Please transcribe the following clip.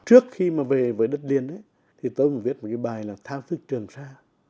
trước khi mà về với đất liên thì tôi mới viết một cái bài là thao thức trường sa